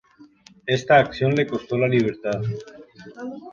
Esta acción le costó la libertad.